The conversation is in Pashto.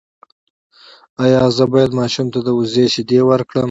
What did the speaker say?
ایا زه باید ماشوم ته د وزې شیدې ورکړم؟